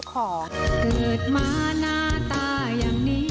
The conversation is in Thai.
เกิดมาหน้าตายังนี้